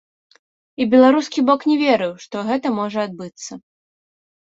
І беларускі бок не верыў, што гэта можа адбыцца.